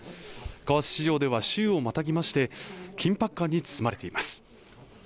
為替市場では週をまたぎまして緊迫感に包まれています